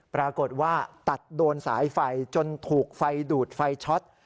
ปรากฏว่าตัดโดนสายไฟจนถูกไฟดูดไฟช็อต